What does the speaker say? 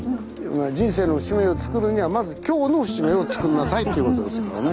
人生の節目をつくるにはまず今日の節目をつくりなさいということですからね。